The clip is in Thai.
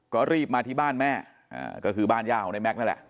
ก็รีบมาที่บ้านแม่ก็คือบ้านย่าของในแก๊กนั่นแหละ